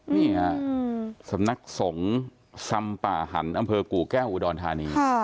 นี่ฮะสำนักสงฆ์สำป่าหันอำเภอกู่แก้วอุดรธานี